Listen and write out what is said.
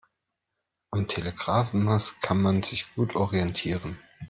Am Telegrafenmast kann man sich gut orientieren.